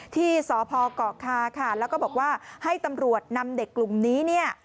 ที่สพเกาะคาค่ะแล้วก็บอกว่าให้ตำรวจนำเด็กกลุ่มนี้เนี่ย